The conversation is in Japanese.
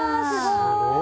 すごい！